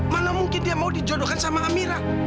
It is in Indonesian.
mana mungkin dia mau dijodohkan sama amira